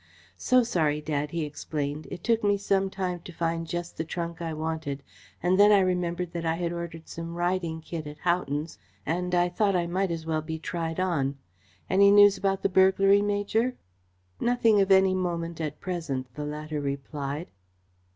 "So sorry, Dad," he explained. "It took me some time to find just the trunk I wanted, and then I remembered that I had ordered some riding kit at Houghton's and I thought I might as well be tried on. Any news about the burglary, Major?" "Nothing of any moment at present," the latter replied.